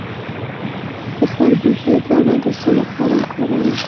د خربوزې دانه د څه لپاره وکاروم؟